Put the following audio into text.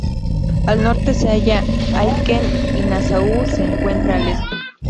Al norte se halla Aitken, y Nassau se encuentra al este.